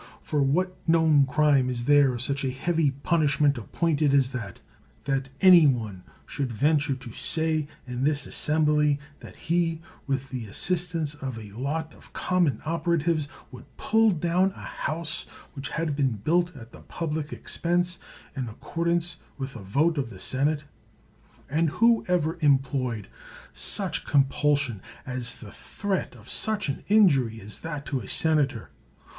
For what known crime is there such a heavy punishment appointed as that — that any one should venture to say in this assembly that he, with the assistance of a lot of common oper atives, would pull down a house which had been built at the public expense in accordance with a vote of the senate t And who ever employed such compulsion as the threat of such an injury as 154 CICERO that to a senator?